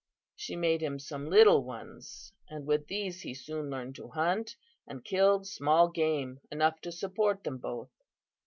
She made him some little ones, and with these he soon learned to hunt, and killed small game enough to support them both.